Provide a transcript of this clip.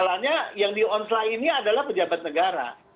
persoalannya yang dionslah ini adalah pejabat negara